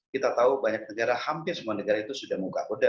kita tahu banyak negara hampir semua negara itu sudah muka koda